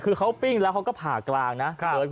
คือเขาปิ้งแล้วเขาก็ผ่ากลางนะ